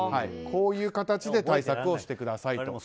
こういう形で対策してくださいと。